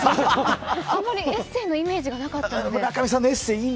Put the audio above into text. あんまりエッセーのイメージがなかったので。